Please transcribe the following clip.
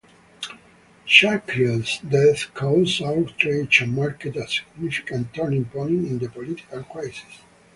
Shakryl's death caused outrage and marked a significant turning point in the political crisis.